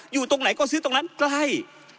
อยู่ตรงไหนก็ซื้อตรงนั้นใกล้